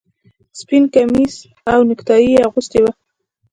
سپین کمیس او نیکټايي یې اغوستي وو